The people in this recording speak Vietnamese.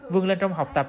vươn lên trong học tạp